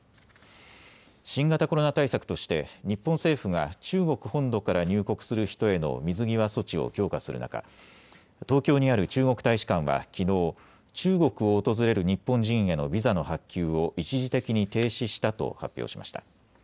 新型コロナ対策として日本政府が中国本土から入国する人への水際措置を強化する中、東京にある中国大使館はきのう中国を訪れる日本人へのビザの発給を一時的に停止したと発表しました。